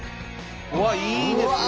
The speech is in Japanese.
うわっいいですね。